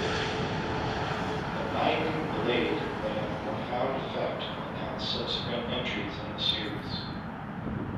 "The Binding Blade" would have a profound effect upon subsequent entries in the series.